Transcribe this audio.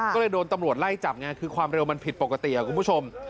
ก็เลยโดนตำรวจไล่จับไงคือความเร็วมันผิดปกติคุณผู้ชม